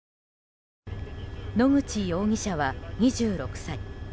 野口容疑者は２６歳。